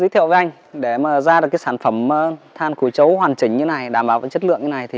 thì sẽ ra sản phẩm hoàn chỉnh như thế này